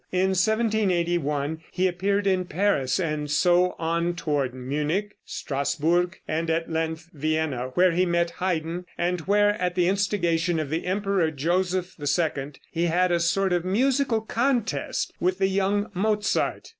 In 1781 he appeared in Paris, and so on toward Munich, Strassburg, and at length Vienna, where he met Haydn, and where, at the instigation of the Emperor Joseph II, he had a sort of musical contest with the young Mozart.